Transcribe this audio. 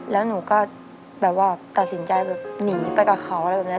แล้วหนูก็แบบว่าตัดสินใจแบบหนีไปกับเขาอะไรแบบนี้